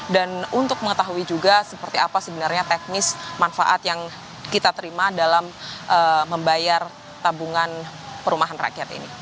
dan untuk mengetahui juga seperti apa sebenarnya teknis manfaat yang kita terima dalam membayar tabungan perumahan rakyat ini